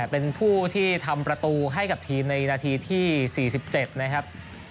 เป็นผู้ที่ทำประตูให้กับทีมในนาทีที่๔๗นะครับ